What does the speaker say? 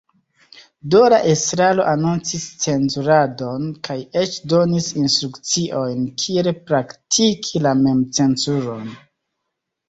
Do, la estraro anoncis cenzuradon kaj eĉ donis instrukciojn kiel praktiki la memcenzuron.